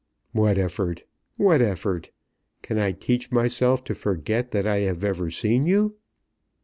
"What effort? What effort? Can I teach myself to forget that I have ever seen you?"